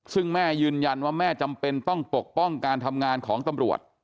ซึ่งแม่ยืนยันว่าแม่จำเป็นต้องปกป้องการทำงานของตำรวจ